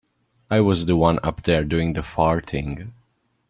I was the one up there doing the farting.